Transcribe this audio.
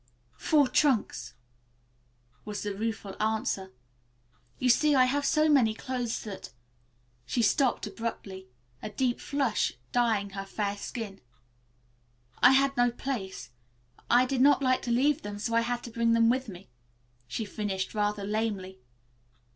"Four trunks," was the rueful answer. "You see I have so many clothes that " She stopped abruptly, a deep flush dying her fair skin, "I had no place I did not like to leave them, so I had to bring them with me," she finished, rather lamely.